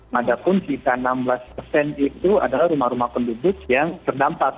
padahal kita enam belas persen itu adalah rumah rumah penduduk yang terdampak